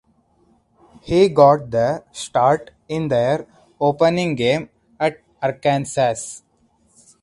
He got the start in their opening game at Arkansas.